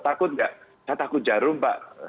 takut nggak saya takut jarum pak